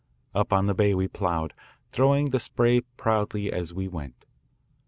On up the bay we ploughed, throwing the spray proudly as we went.